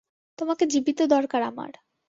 তোমাকে জীবিত দরকার আমার।